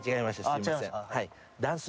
すいません。